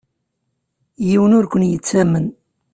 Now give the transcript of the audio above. Yiwen ur ken-yettamen.